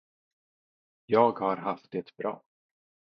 Jag har haft det bra.